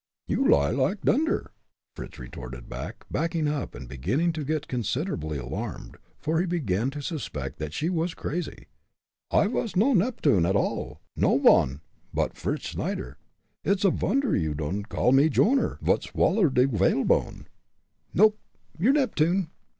"You lie like dunder!" Fritz retorted, backing up, and beginning to get considerably alarmed, for he began to suspect that she was crazy. "I vasn't no Neptune at all no von but Fritz Snyder. Id's a vonder you don'd call me Joner, vot swallered de valebone." "Nop! you're Neptune.